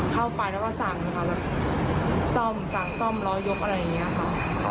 เข้าไปแล้วก็สั่งสั่งสั่งร้อยยกอะไรอย่างนี้ค่ะ